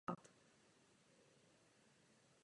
Nachází se nedaleko obce Blatnice v okrese Martin.